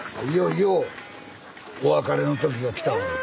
いよいよお別れの時が来たわ。